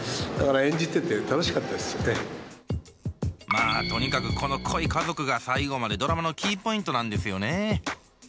まあとにかくこの濃い家族が最後までドラマのキーポイントなんですよね。